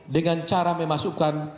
dengan cara memasukkan